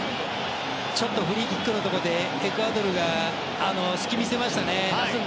フリーキックのところでエクアドルが隙を見せましたね。